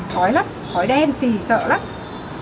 khói lắm khói đen xì sợ lắm